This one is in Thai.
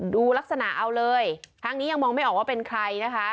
ดูลักษณะเอาเลยทั้งนี้ยังมองไม่ออกว่าเป็นใครนะคะ